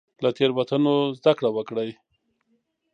له تېروتنو زده کړه وکړئ.